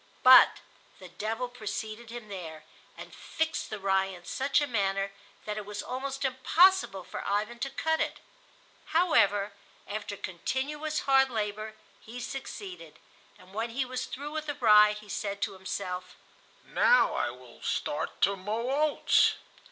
But the devil preceded him there, and fixed the rye in such a manner that it was almost impossible for Ivan to cut it; however, after continuous hard labor he succeeded, and when he was through with the rye he said to himself: "Now I will start to mow oats."